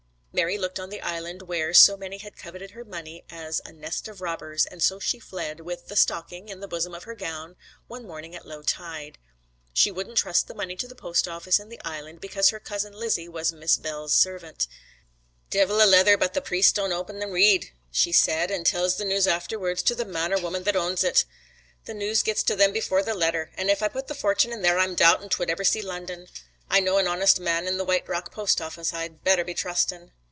Mary looked on the Island where so many had coveted her money as a 'nest of robbers,' and so she fled, with 'the stocking' in the bosom of her gown, one morning at low tide. She wouldn't trust the money to the post office in the Island, because her cousin Lizzie was Miss Bell's servant. 'Divil a letther but the priest's they don't open an' read,' she said, 'an' tells the news afterwards to the man or woman that owns it. The news gets to them before the letter. An' if I put the fortune in there I'm doubtin' 'twould ever see London. I know an honest man in the Whiterock post office I'd betther be trustin'.